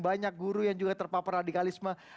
banyak guru yang juga terpapar radikalisme